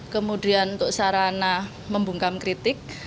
kemudian untuk sarana membungkam kritik